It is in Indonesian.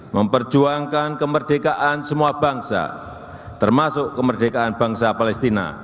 memperjuangkan kemerdekaan semua bangsa termasuk kemerdekaan bangsa palestina